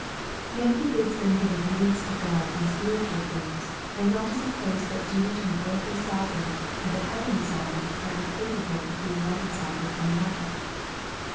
Yet He bids them give obedience to God in spir itual things, and not to suppose that duty to an earthly sovereign and a heavenly sovereign are incapable of being reconciled one with the other.